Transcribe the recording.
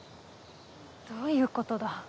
どういうことだ。